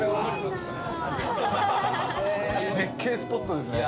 絶景スポットですね。